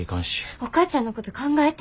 お母ちゃんのこと考えて。